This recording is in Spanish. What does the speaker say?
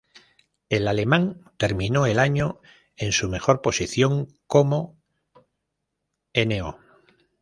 El alemán terminó el año en su mejor posición como No.